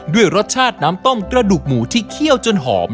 ด้วยรสชาติน้ำต้มกระดูกหมูที่เคี่ยวจนหอม